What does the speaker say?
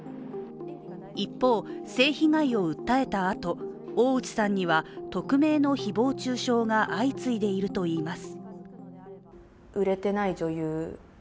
一方、性被害を訴えたあと、大内さんには匿名の誹謗中傷が相次いでいるといいます。